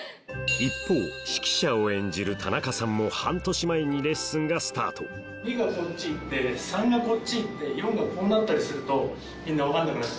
一方指揮者を演じる田中さんも半年前にレッスンがスタート２がこっち行って３がこっち行って４がこうなったりするとみんな分かんなくなっちゃうんですよ。